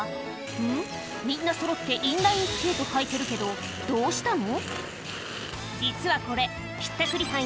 みんなそろってインラインスケート履いてるけどどうしたの？